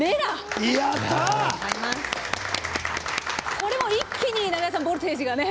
これは一気に、長屋さんボルテージが。